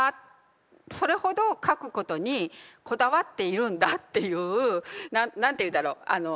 それほど書くことにこだわっているんだっていう何ていうんだろう